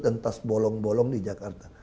dan tas bolong bolong di jakarta